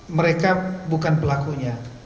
mereka bukan pelakunya